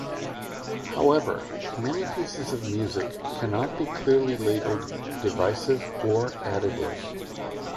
However, many pieces of music cannot be clearly labeled divisive or additive.